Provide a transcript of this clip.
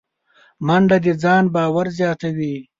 منډه د ځان باور زیاتوي